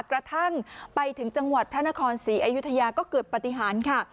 กระทั่งไปถึงจังหวัดพระนครศรีอยุธยาก็เกิดปฏิหารค่ะ